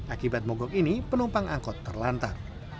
akibat mogok ini penumpang angkot terlantar